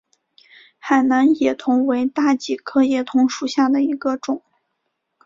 海南野桐为大戟科野桐属下的一个种。